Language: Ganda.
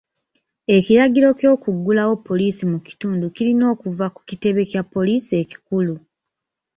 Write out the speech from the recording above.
Ekiragiro ky'okuggulawo poliisi mu kitundu kirina kuva ku kitebe kya poliisi ekikulu.